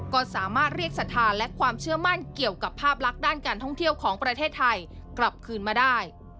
ก็สามารถเรียกศรัทธาและความเชื่อมั่นเกี่ยวกับภาพลักษณ์ด้านการท่องเที่ยวของประเทศไทยกลับคืนมาได้